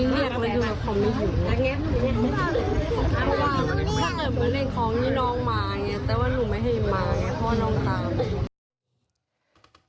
เพราะว่าถ้าเกิดมาเล่นของมีน้องมาแต่ว่าลูกไม่ให้มาเพราะว่าน้องตาม